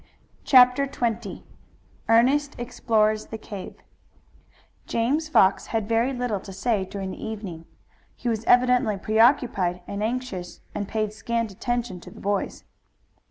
CHAPTER XX ERNEST EXPLORES THE CAVE James Fox had very little to say during the evening. He was evidently preoccupied and anxious and paid scant attention to the boys.